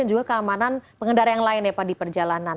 dan juga keamanan pengendara yang lain ya pak di perjalanan